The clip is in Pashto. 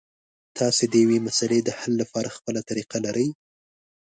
تاسو د یوې مسلې د حل لپاره خپله طریقه لرئ.